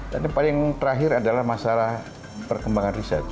dan yang terakhir adalah masalah perkembangan riset